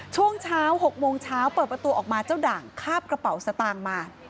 ช่วงเช้า๖โมงเช้าเปิดประตูออกมาเจ้าด่างคาบกระเป๋าสตางค์มา